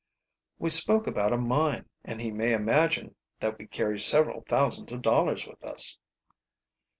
"We spoke about a mine, and he may imagine that we carry several thousands of dollars with us."